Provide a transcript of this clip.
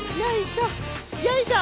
よいしょ！